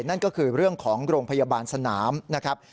นั่นก็คือเรื่องของโรงพยาบาลสนามนะครับ